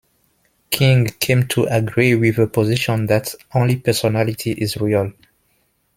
King came to agree with the position that only personality is real.